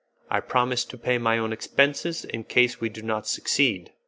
I promise to pay my own expenses in case we do not succeed.